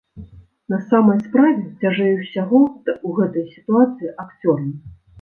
На самай справе, цяжэй усяго ў гэтай сітуацыі акцёрам.